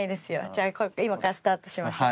じゃあ今からスタートしましょう。